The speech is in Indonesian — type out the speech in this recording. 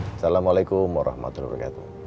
assalamualaikum warahmatullahi wabarakatuh